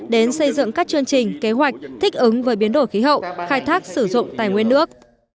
đến xây dựng các chương trình kế hoạch thích ứng với biến đổi khí hậu khai thác sử dụng tài nguyên nước